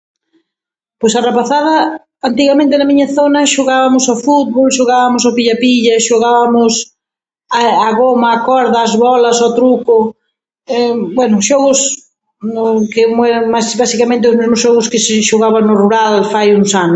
Pois a rapazada antigamente na miña zona xogabamos ao fútbol, xogabamos ao pilla pilla e xogabamos a a goma, a corda, as bolas, ao truco, bueno, xogos que basica- basicamente os memos xogos que se xogaban no rural fai uns anos.